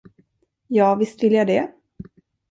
Ja, visst vill jag det.